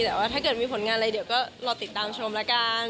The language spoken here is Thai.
แต่ว่าถ้าเกิดมีผลงานอะไรเดี๋ยวก็รอติดตามชมแล้วกัน